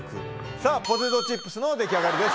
さぁポテトチップスの出来上がりです。